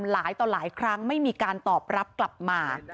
หลายต่อหลายครั้งไม่มีการตอบรับกลับมา